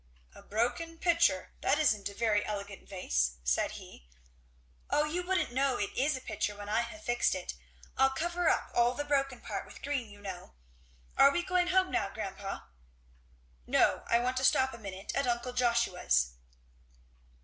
"A broken pitcher! that isn't a very elegant vase," said he. "O you wouldn't know it is a pitcher when I have fixed it. I'll cover up all the broken part with green, you know. Are we going home now, grandpa?" "No, I want to stop a minute at uncle Joshua's."